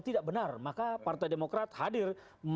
tidak benar maka partai demokrat hadir